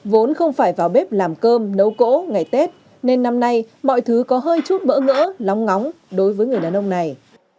vốn không phải vào bếp làm cơm nấu cỗ ngày tết nên năm nay mọi thứ có hơi chút bỡ ngỡ lóng ngóng đối với người đàn ông này